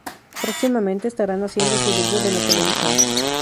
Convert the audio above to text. Próximamente estarán haciendo su debut en la televisión.